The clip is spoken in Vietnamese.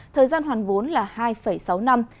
thời gian hoàn vốn là hai sáu năm